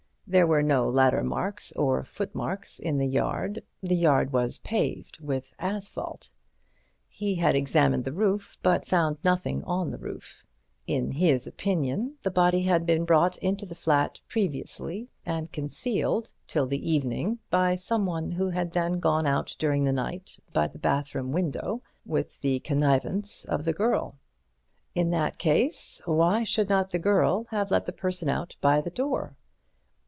There were no ladder marks or foot marks in the yard; the yard was paved with asphalt. He had examined the roof, but found nothing on the roof. In his opinion the body had been brought into the flat previously and concealed till the evening by someone who had then gone out during the night by the bathroom window, with the connivance of the girl. In that case, why should not the girl have let the person out by the door?